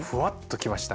きました。